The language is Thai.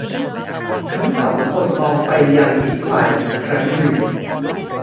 ทั้งสองคนมองไปยังอีกฝ่ายอีกครั้งหนึ่ง